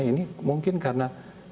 ini mungkin karena